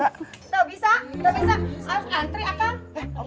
gak bisa gak bisa harus antri ah kang